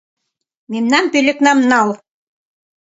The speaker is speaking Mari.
Мемнан пӧлекнам нал.